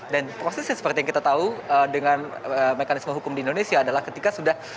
dan prosesnya seperti yang kita tahu dengan mekanisme hukum di indonesia adalah ketika sudah